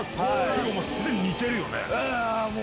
すでに似てるよね。